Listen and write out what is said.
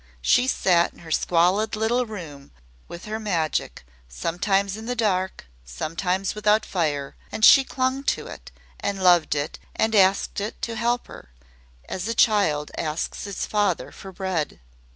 She sat in her squalid little room with her magic sometimes in the dark sometimes without fire, and she clung to it, and loved it and asked it to help her, as a child asks its father for bread.